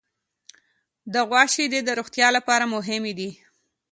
د غوا شیدې د روغتیا لپاره مهمې دي.